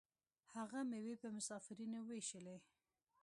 هغه میوې په مسافرینو ویشلې.